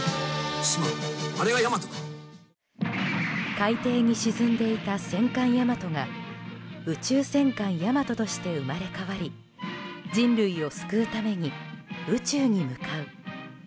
海底に沈んでいた戦艦「大和」が宇宙戦艦「ヤマト」として生まれ変わり人類を救うために宇宙に向かう。